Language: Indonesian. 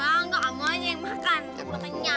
oh nggak kamu aja yang makan lo penyang